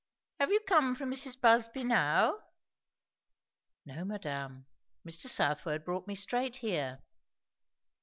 "Have you come from Mrs. Busby now?" "No, madame; Mr. Southwode brought me straight here."